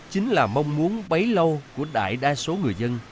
chính là mong muốn bấy lâu của đại đa số người dân